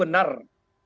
bahwa pertemuan itu benar